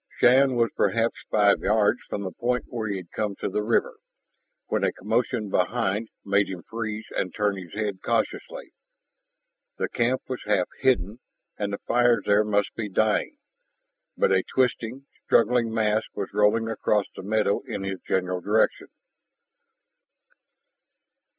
Shann was perhaps five yards from the point where he had come to the river, when a commotion behind made him freeze and turn his head cautiously. The camp was half hidden, and the fires there must be dying. But a twisting, struggling mass was rolling across the meadow in his general direction.